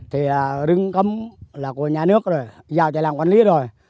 thì rừng cấm là của nhà nước rồi giao cho làng quản lý rồi